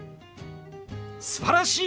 すばらしい！